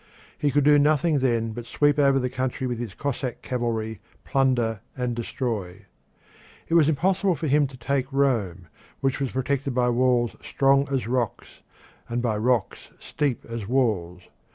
He could do nothing then but sweep over the country with his Cossack cavalry, plunder, and destroy. It was impossible for him to take Rome, which was protected by walls strong as rocks and by rocks steep as walls.